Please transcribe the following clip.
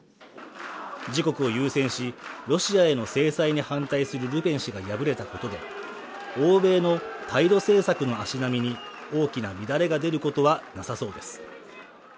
自国を優先しロシアへの制裁に反対するルペン氏が敗れたことで欧米の対ロ政策の足並みに大きな乱れが出ることはなさそうです